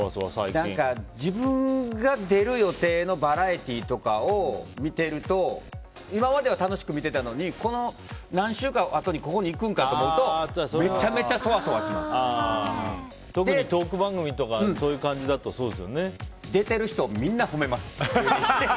自分が出る予定のバラエティーとかを見てると今までは楽しく見てたのにこの何週間かあとにここに行くんかと思うと特にトーク番組とかだと出てる人、みんな褒めます。